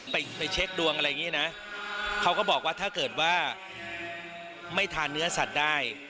ไปไปเช็คดวงอะไรอย่างนี้นะเขาก็บอกว่าถ้าเกิดว่าไม่ทานเนื้อสัตว์ได้